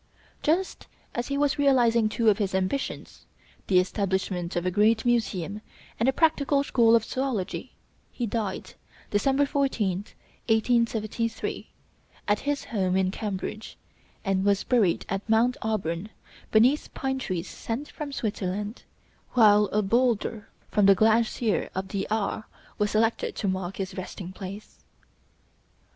Just as he was realizing two of his ambitions, the establishment of a great museum and a practical school of zoölogy, he died, December 14th, 1873, at his home in Cambridge, and was buried at Mount Auburn beneath pine trees sent from Switzerland, while a bowlder from the glacier of the Aar was selected to mark his resting place.